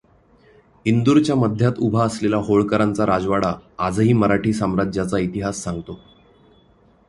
इंदूरच्या मध्यात उभा असलेला होळकरांचा राजवाडा आजही मराठी साम्राज्याचा इतिहास सांगतो.